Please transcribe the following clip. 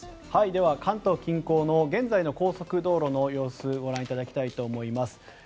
関東近郊の現在の高速道路の様子をご覧いただきたいと思います。